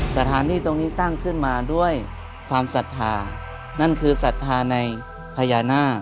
สถานที่ตรงนี้สร้างขึ้นมาด้วยความศรัทธานั่นคือศรัทธาในพญานาค